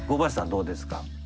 どうですか？